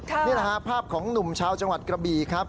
นี่แหละฮะภาพของหนุ่มชาวจังหวัดกระบี่ครับ